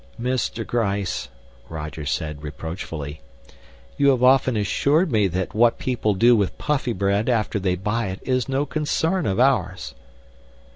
"Mr. Gryce," Roger said reproachfully, "you have often assured me that what people do with Puffybread after they buy it is no concern of ours."